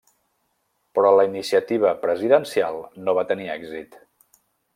Però la iniciativa presidencial no va tenir èxit.